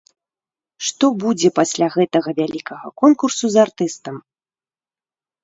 Што будзе пасля гэтага вялікага конкурсу з артыстам?